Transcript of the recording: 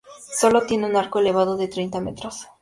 Sólo tiene un arco elevado de treinta metros.